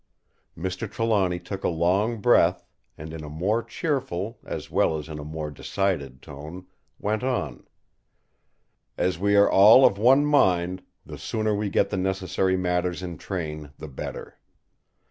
Mr. Trelawny took a long breath, and in a more cheerful, as well as in a more decided tone, went on: "As we are all of one mind, the sooner we get the necessary matters in train the better.